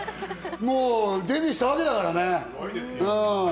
もうデビューしたわけだからね。